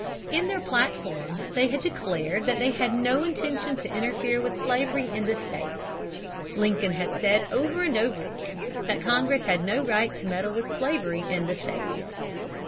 In their platform they had declared that they had no intention to interfere with slavery in the states. Lincoln had said over and over again that Congress had no right to meddle with slavery in the states.